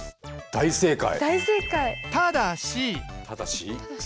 大正解。